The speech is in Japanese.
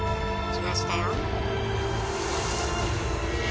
きましたよ。